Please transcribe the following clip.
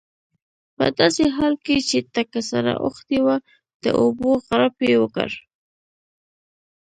په داسې حال کې چې تکه سره اوښتې وه د اوبو غړپ یې وکړ.